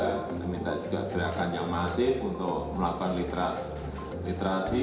kita minta juga gerakan yang masif untuk melakukan literasi